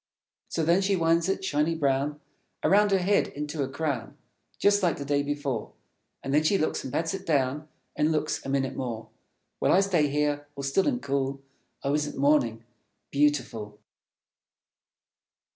So then she winds it, shiny brown, Around her head into a crown, Just like the day before. And then she looks, and pats it down, And looks, a minute more. While I stay here, all still and cool. Oh, isn't Morning beautiful?